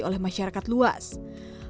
kuliah di ut semakin banyak diminati